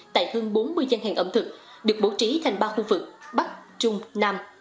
tại hơn bốn mươi gian hàng ẩm thực được bổ trí thành ba khu vực bắc trung nam